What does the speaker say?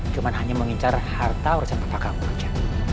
cuma hanya mengincar harta urusan papa kamu aja